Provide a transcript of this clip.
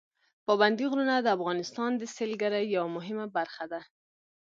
پابندي غرونه د افغانستان د سیلګرۍ یوه مهمه برخه ده.